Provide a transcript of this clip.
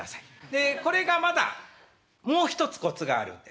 でこれがまだもう一つコツがあるんですね。